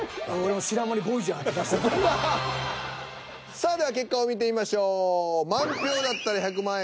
さあでは結果を見てみましょう。